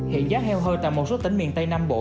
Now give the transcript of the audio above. hiện giá heo hơi tại một số tỉnh miền tây nam bộ